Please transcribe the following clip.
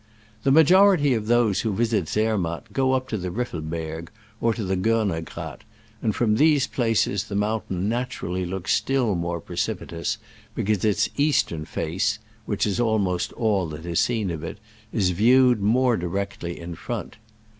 The majority of those who visit Zer matt go up to the Riffelberg or to the Gornergrat, and from these places the mountain naturally looks still more pre cipitous, because its eastern face (which is almost all that is seen of it) is viewed more directly in front.